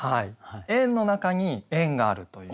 円の中に円があるという。